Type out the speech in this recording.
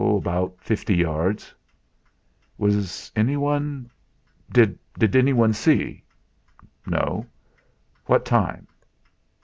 "About fifty yards." "Was anyone did anyone see?" "No." "What time?"